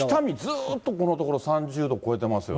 ずっとこのところ３０度超えてますよね。